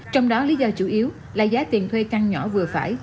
trong đó lý do chủ yếu là giá tiền thuê căn nhỏ vừa phải